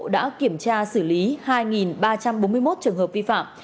đã kiểm tra xử lý hai ba trăm bốn mươi một trường hợp vi phạm